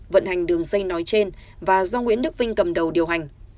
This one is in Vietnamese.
vận hành đường dây nói trên và do nguyễn đức vinh cầm đầu điều hành